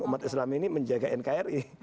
umat islam ini menjaga nkri